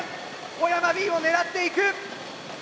小山Ｂも狙っていく。